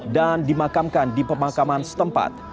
dan dimakamkan di pemakaman setempat